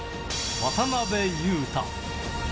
渡邊雄太。